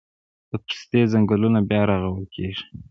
د پستې ځنګلونه بیا رغول کیږي